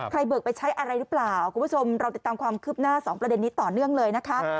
เบิกไปใช้อะไรหรือเปล่าคุณผู้ชมเราติดตามความคืบหน้า๒ประเด็นนี้ต่อเนื่องเลยนะคะ